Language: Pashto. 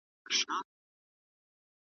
زه پرون مېوې وخوړله؟